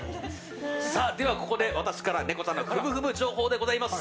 では、ここで私からネコちゃんのふむふむ情報です。